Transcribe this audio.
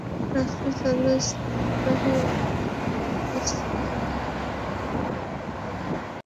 রাসূল সাল্লাল্লাহু আলাইহি ওয়াসাল্লাম একটি টিলার উপর গিয়ে দাঁড়ান।